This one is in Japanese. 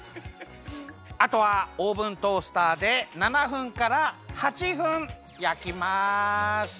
あとはオーブントースターで７分から８分やきます！